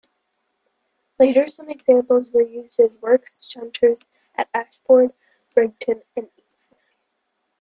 Later some examples were used as works shunters at Ashford, Brighton and Eastleigh.